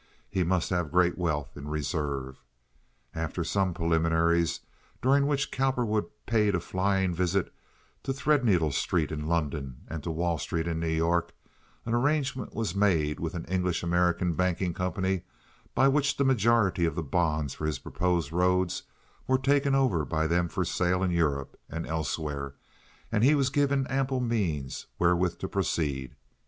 He must have great wealth in reserve. After some preliminaries, during which Cowperwood paid a flying visit to Threadneedle Street in London, and to Wall Street in New York, an arrangement was made with an English American banking company by which the majority of the bonds for his proposed roads were taken over by them for sale in Europe and elsewhere, and he was given ample means wherewith to proceed.